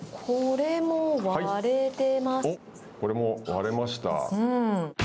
これも割れました。